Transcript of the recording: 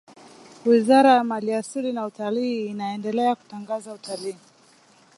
wizara ya mali asili na utalii inaendelea kutangaza utalii